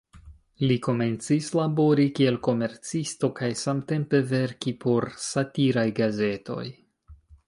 Li komencis labori kiel komercisto kaj samtempe verki por satiraj gazetoj.